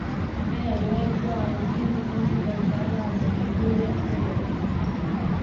ambaye aliwahi kuwa waziri enzi za utawala wa Mwalimu Julius Nyerere